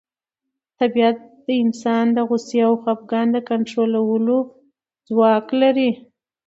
طبیعت د انسان د غوسې او خپګان د کنټرولولو ځواک لري.